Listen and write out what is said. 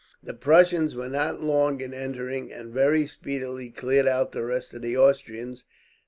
The Prussians were not long in entering, and very speedily cleared out the rest of the Austrians.